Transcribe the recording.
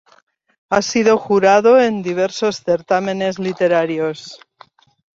Ha sido jurado en diversos certámenes literarios.